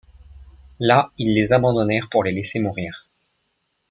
Là, ils les abandonnèrent pour les laisser mourir.